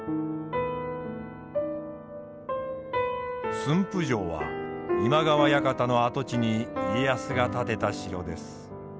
駿府城は今川館の跡地に家康が建てた城です。